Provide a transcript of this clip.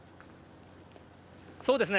そうですね。